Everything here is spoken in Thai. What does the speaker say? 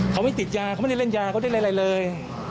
เขาไม่ติดยาเขาไม่ได้เล่นยาเขาได้เล่นอะไรเลย